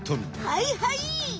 はいはい！